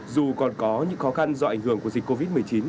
dù còn có những khó khăn do ảnh hưởng của dịch covid một mươi chín